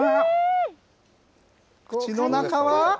口の中は？